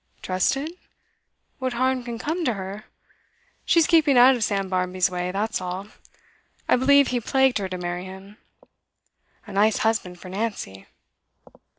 'Trusted? What harm can come to her? She's keeping out of Sam Barmby's way, that's all. I believe he plagued her to marry him. A nice husband for Nancy!